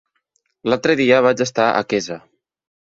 L'altre dia vaig estar a Quesa.